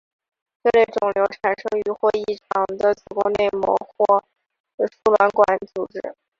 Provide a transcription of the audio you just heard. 这类肿瘤产生于或异常的子宫内膜或输卵管组织。